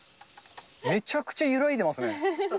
めちゃくちゃ揺らいでますね。